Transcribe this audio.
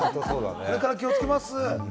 これから気をつけます。